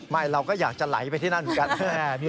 เราก็อยากจะไหลไปที่นั่นเหมือนกัน